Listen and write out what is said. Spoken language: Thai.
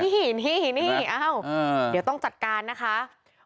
นี่นี่นี่อ้าวเดี๋ยวต้องจัดการนะคะ